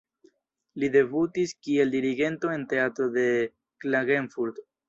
Li debutis kiel dirigento en teatro de Klagenfurt.